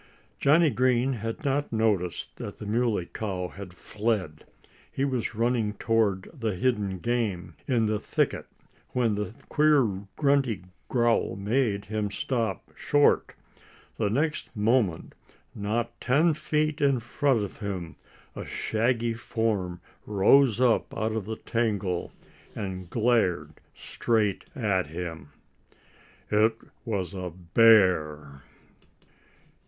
Johnnie Green had not noticed that the Muley Cow had fled. He was running towards the hidden game, in the thicket, when that queer grunty growl made him stop short. The next moment, not ten feet in front of him a shaggy form rose up out of the tangle and glared straight at him. It was a bear!